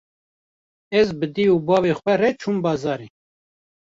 Ez bi dê û bavê xwe re çûm bazarê.